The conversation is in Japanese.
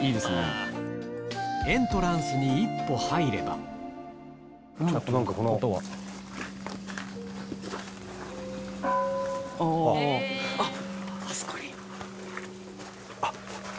エントランスに一歩入ればあっ！